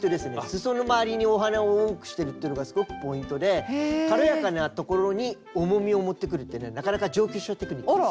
すその回りにお花を多くしてるっていうのがすごくポイントで軽やかなところに重みをもってくるってねなかなか上級者テクニックです。